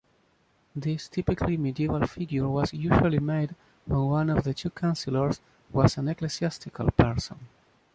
This typically medieval figure was usually made when one of the two councilors was an ecclesiastical person.